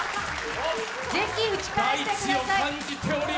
ぜひ打ち返してください